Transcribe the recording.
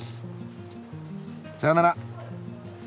さよなら。